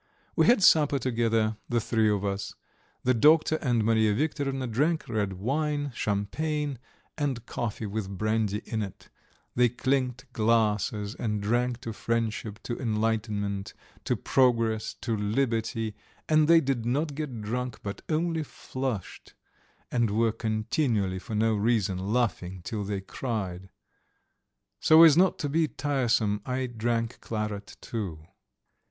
We had supper together, the three of us. The doctor and Mariya Viktorovna drank red wine, champagne, and coffee with brandy in it; they clinked glasses and drank to friendship, to enlightenment, to progress, to liberty, and they did not get drunk but only flushed, and were continually, for no reason, laughing till they cried. So as not to be tiresome I drank claret too.